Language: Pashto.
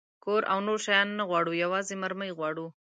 کور او نور شیان نه غواړو، یوازې مرمۍ غواړو.